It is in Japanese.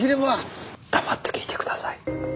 黙って聞いてください。